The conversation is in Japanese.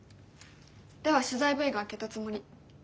では取材Ｖが明けたつもり。